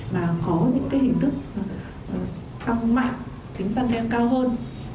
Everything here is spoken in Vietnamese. và có những hình thức tăng mạnh tính dân đem cao hơn